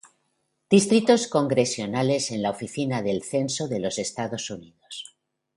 Distritos congresionales en la Oficina del Censo de los Estados Unidos